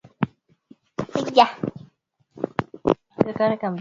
mchanganyiko wa ladha mbalimbali kama taarab bongofleva mnanda na mchiriku Je aina hiyo ya